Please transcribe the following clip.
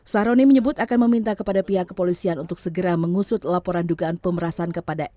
saharoni menyebut akan meminta kepada pihak kepolisian untuk segera mengusut laporan dugaan pemerasan